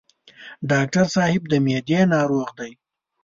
ډاکټر صاحب د معدې ناروغ دی.